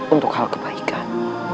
untuk hal kebaikan